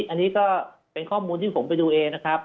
อันนี้ก็เป็นข้อมูลที่ผมไปดูเองนะครับ